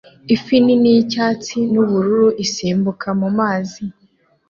Ifi nini yicyatsi nubururu isimbuka mumazi